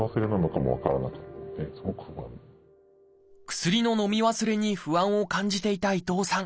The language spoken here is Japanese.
薬ののみ忘れに不安を感じていた伊藤さん。